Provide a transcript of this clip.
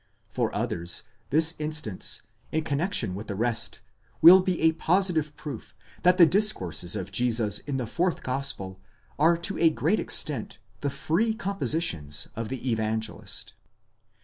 For others, this instance, in connexion with the rest, will be a positive proof that the discourses of Jesus in the fourth gospel are to a great extent the free compositions of the Evangelist.